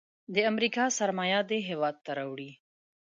د امریکا سرمایه دې هیواد ته راوړي.